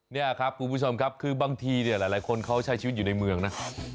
นี่ครับคุณผู้ชมครับคือบางทีเนี่ยหลายคนเขาใช้ชีวิตอยู่ในเมืองนะ